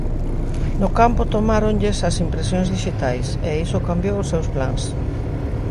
No campo tomáronlles as impresións dixitais, e iso cambiou os seus plans.